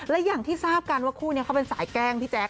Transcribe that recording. และอย่างที่ทราบกันว่าคู่นี้เขาเป็นสายแกล้งพี่แจ๊ค